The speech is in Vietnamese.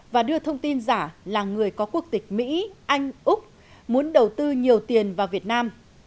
và đưa thông tin giả là người có quốc tịch mỹ anh úc muốn đầu tư nhiều tiền vào việt nam